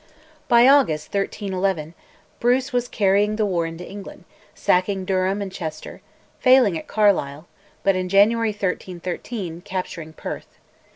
By August 1311 Bruce was carrying the war into England, sacking Durham and Chester, failing at Carlisle, but in January 1313, capturing Perth.